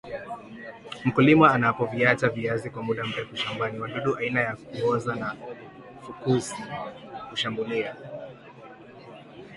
mkulima anapoviacha viazi kwa mda mrefu shamabani wadudu aina ya kuoza na fukusi hushambulia